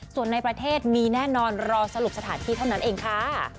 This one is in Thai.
ส่วนในประเทศมีแน่นอนรอสรุปสถานที่เท่านั้นเองค่ะ